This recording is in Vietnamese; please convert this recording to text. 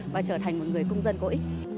và trở thành một người công dân có ích